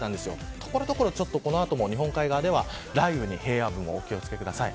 所々の日本海側では雷雨に平野部もお気を付けください。